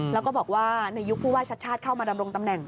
แล้วก็บอกว่าในยุคผู้ว่าชัดชาติเข้ามาดำรงตำแหน่ง